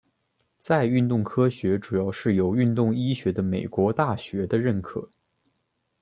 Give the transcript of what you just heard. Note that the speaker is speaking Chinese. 在运动科学主要是由运动医学的美国大学的认可。